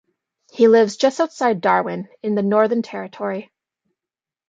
He lives just outside Darwin in the Northern Territory.